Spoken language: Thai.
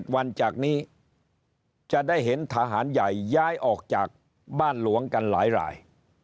๗วันจากนี้จะได้เห็นทหารใหญ่ย้ายออกจากบ้านหลวงกันหลาย